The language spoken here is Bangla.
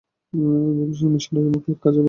অধিকাংশ মিশনরী মুখে এক, কাজে আর।